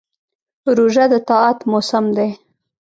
روژه د طاعت موسم دی.